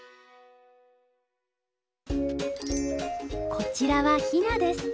こちらはヒナです。